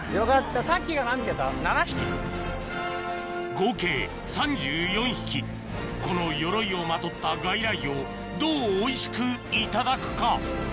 合計３４匹この鎧をまとった外来魚をどうおいしくいただくか？